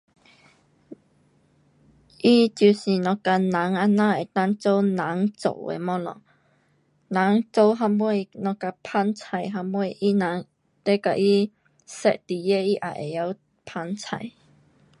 它就是呐跟人这样，能够做人做的东西，人做什么好像捧菜什么，他人若给它 set 内去，它也会晓捧菜。